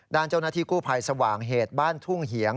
ด้านเจ้าหน้าที่กู้ภัยสว่างเหตุบ้านทุ่งเหียง